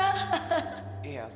jangan sama aku